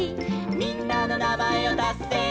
「みんなのなまえをたせば」